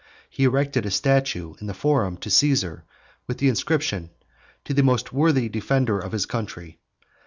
He erected a statue in the forum to Caesar, with the inscription, "To the most worthy Defender of his Country."